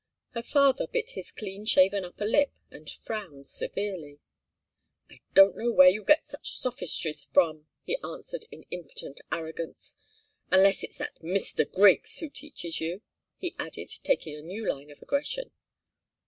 Her father bit his clean shaven upper lip and frowned severely. "I don't know where you get such sophistries from!" he answered, in impotent arrogance. "Unless it's that Mr. Griggs who teaches you," he added, taking a new line of aggression.